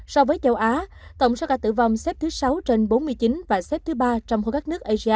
so với châu á tổng số ca tử vong xếp thứ sáu trên bốn mươi chín và xếp thứ ba trong khối các nước asean